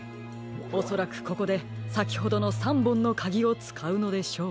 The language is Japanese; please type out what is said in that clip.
おそらくここでさきほどの３ぼんのかぎをつかうのでしょう。